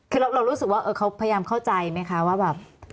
คือเรารู้สึกว่าเขาพยายามเข้าใจไหมคะว่าแบบ